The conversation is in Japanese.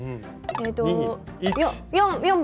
えっと４番！